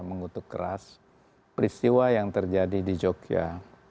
mengutuk keras peristiwa yang terjadi di jogja